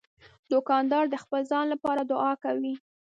دوکاندار د خپل ځان لپاره دعا کوي.